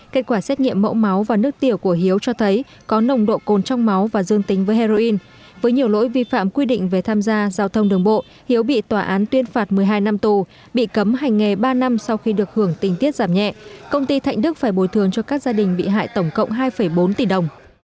kết quả xét nghiệm mẫu máu và nước tiểu của hiếu cho thấy có nồng độ cồn trong máu và dương tính với heroin với nhiều lỗi vi phạm quy định về tham gia giao thông đường bộ hiếu bị tòa án tuyên phạt một mươi hai năm tù bị cấm hành nghề ba năm sau khi được hưởng tình tiết giảm nhẹ công ty thạnh đức phải bồi thường cho các gia đình bị hại tổng cộng hai bốn tỷ đồng